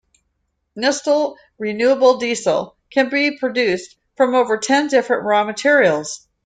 Neste Renewable Diesel can be produced from over ten different raw materials.